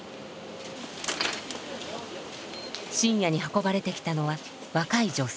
深夜に運ばれてきたのは若い女性。